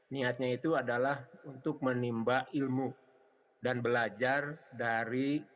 niatnya itu adalah untuk menimba ilmu dan belajar dari